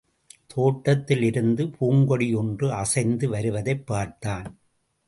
தோட்டத்தில் இருந்த பூங்கொடி ஒன்று அசைந்து வருவதைப் பார்த்தான்.